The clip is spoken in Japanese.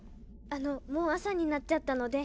あのもう朝になっちゃったので。